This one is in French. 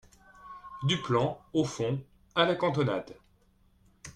Duplan au fond , à la cantonade.